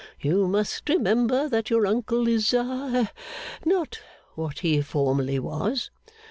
You must remember that your uncle is ha not what he formerly was.